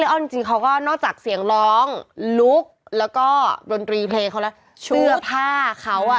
บางการเริ่มล่องลุคแล้วก็ดนตรีเพลงและชือผ้าเขาอ่ะ